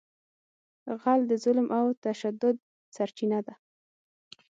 غل د ظلم او تشدد سرچینه ده